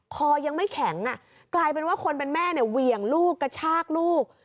คอยังไม่แข็งกลายเป็นว่าคนเป็นแม่เนี่ยเหวี่ยงลูกกระชากลูก